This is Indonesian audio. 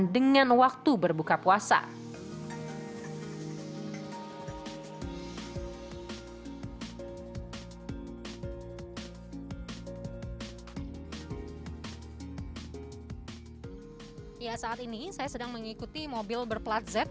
jika tidak mereka akan dihubungi dengan penumpang yang menerima pengalaman tersebut